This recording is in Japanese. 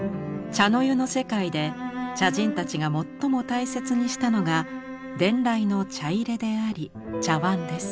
茶の湯の世界で茶人たちが最も大切にしたのが伝来の茶入であり茶碗です。